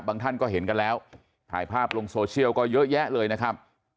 ท่านก็เห็นกันแล้วถ่ายภาพลงโซเชียลก็เยอะแยะเลยนะครับ